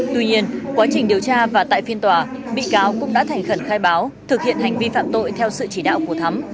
tuy nhiên quá trình điều tra và tại phiên tòa bị cáo cũng đã thành khẩn khai báo thực hiện hành vi phạm tội theo sự chỉ đạo của thắm